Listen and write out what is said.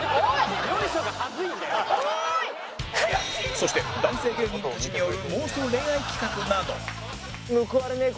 そして男性芸人たちによる妄想恋愛企画など